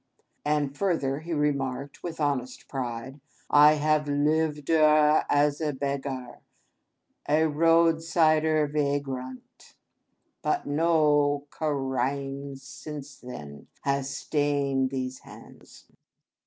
and further he remarked, with honest pride, " I have liveder as a beg gar — a roadersider vaigerant, but no Kerreime since then has stained these hands!"